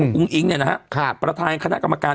อุ้งอิ๊งเนี่ยนะฮะประธานคณะกรรมการ